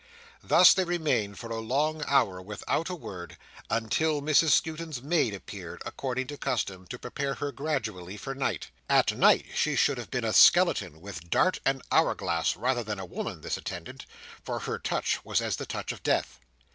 Thus they remained for a long hour, without a word, until Mrs Skewton's maid appeared, according to custom, to prepare her gradually for night. At night, she should have been a skeleton, with dart and hour glass, rather than a woman, this attendant; for her touch was as the touch of Death.